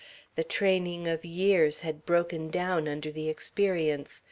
The training of years had broken down under the experience.